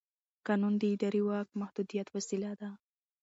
قانون د ادارې د واک د محدودیت وسیله ده.